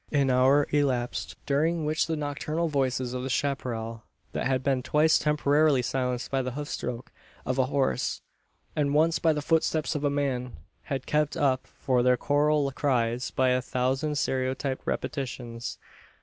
An hour elapsed, during which the nocturnal voices of the chapparal that had been twice temporarily silenced by the hoofstroke of a horse, and once by the footsteps of a man had kept up their choral cries by a thousand stereotyped repetitions.